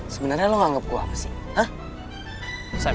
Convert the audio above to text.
sebenernya lu nganggep gue apa sih